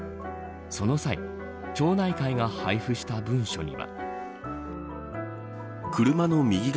その際町内会が配布した文書には。